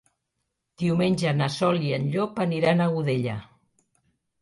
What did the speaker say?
Diumenge na Sol i en Llop aniran a Godella.